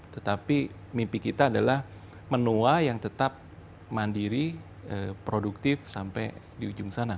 tetapi mimpi kita adalah menua yang tetap mandiri produktif sampai di ujung sana